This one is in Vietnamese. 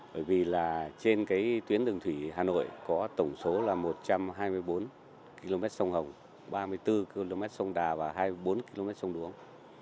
bởi vì là trên cái tuyến đường thủy hà nội có tổng số là một trăm hai mươi bốn km sông hồng ba mươi bốn km sông đà và hai mươi bốn km sông đuống